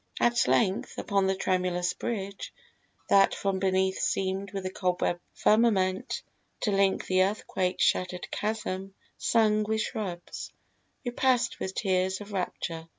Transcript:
At length, Upon the tremulous bridge, that from beneath Seemed with a cobweb firmament to link The earthquake shattered chasm, hung with shrubs, We passed with tears of rapture.